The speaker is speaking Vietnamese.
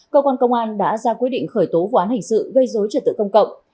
công an đã ra quyết định khởi tố vụ án hành sự gây dối truyền tự công cộng